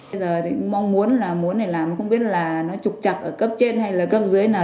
bây giờ thì mong muốn là muốn này làm không biết là nó trục chặt ở cấp trên hay là cấp dưới nào